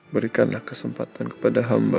berikanlah kesempatan kepada hamba